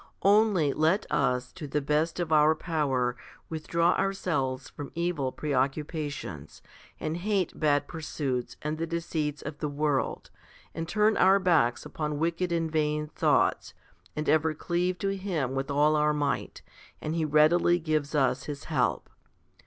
Only let us to the best of our power withdraw ourselves from evil preoccupations, and hate bad pursuits and the deceits of the world, and turn our backs upon wicked and vain thoughts, and ever cleave to Him with all our might, and He readily gives us His help.